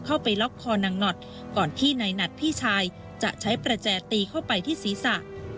เข้าไปล็อกคอนางหนอดก่อนที่นายหนัดพี่ชายจะใช้ประแจตีเข้าไปที่ศีรษะ